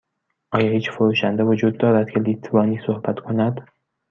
آیا هیچ فروشنده وجود دارد که لیتوانی صحبت کند؟